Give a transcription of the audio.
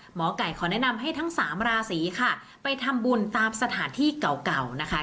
หมอไก่ขอแนะนำให้ทั้งสามราศีค่ะไปทำบุญตามสถานที่เก่าเก่านะคะ